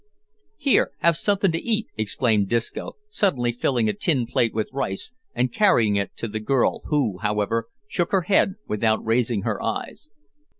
"Here, have somethin' to eat," exclaimed Disco, suddenly filling a tin plate with rice, and carrying it to the girl, who, however, shook her head without raising her eyes.